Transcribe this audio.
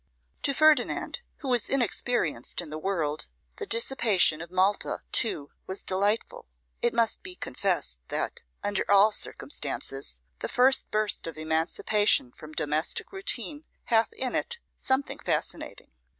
To Ferdinand, who was inexperienced in the world, the dissipation of Malta, too, was delightful. It must be confessed that, under all circumstances, the first burst of emancipation from domestic routine hath in it something fascinating.